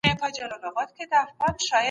تخنیک باید په سمه توګه خپور سي.